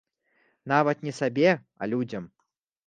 Нават не сабе, а людзям.